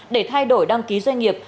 để thay đổi đăng ký doanh nghiệp